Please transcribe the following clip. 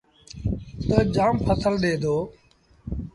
تا جآم ڦسل ڏي دو۔